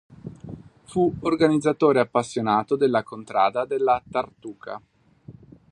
Fu organizzatore appassionato della contrada della Tartuca.